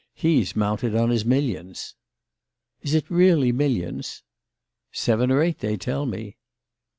"He's mounted on his millions." "Is it really millions?" "Seven or eight, they tell me."